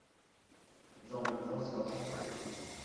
Jean Valjean s’élança.